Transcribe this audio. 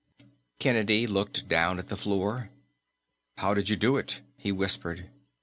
Kennedy looked down at the floor. "How did you do it?" he whispered.